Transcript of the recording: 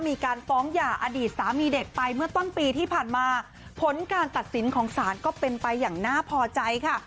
มีการฟ้องหย่าอดีตสามีเด็กไปเมื่อต้นปีที่ผ่านมาผลการตัดสินของศาลก็เป็นไปอย่างน่าพอใจค่ะ